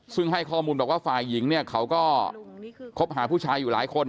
ซึ่งให้ข้อมูลบอกว่าฝ่ายหญิงเนี่ยเขาก็คบหาผู้ชายอยู่หลายคน